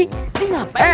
ini ngapain ke lu